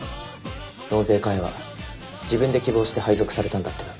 納税課へは自分で希望して配属されたんだってな。